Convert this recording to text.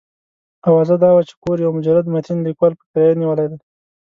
اوازه دا وه چې کور یو مجرد متین لیکوال په کرایه نیولی دی.